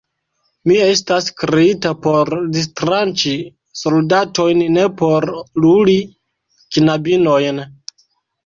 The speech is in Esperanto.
Mi estas kreita por distranĉi soldatojn, ne por luli knabinojn.